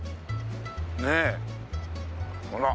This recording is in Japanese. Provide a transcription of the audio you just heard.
ねえ。ほら。